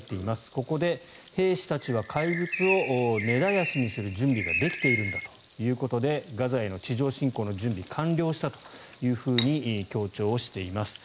ここで、兵士たちは怪物を根絶やしにする準備ができているんだということでガザへの地上侵攻の準備が完了したと強調をしています。